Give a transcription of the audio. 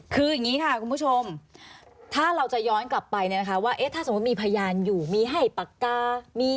คืออย่างนี้ค่ะคุณผู้ชมถ้าเราจะย้อนกลับไปเนี่ยนะคะว่าถ้าสมมุติมีพยานอยู่มีให้ปากกามี